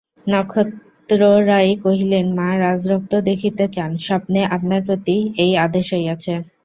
নক্ষত্ররায় কহিলেন, মা রাজরক্ত দেখিতে চান, স্বপ্নে আপনার প্রতি এই আদেশ হইয়াছে।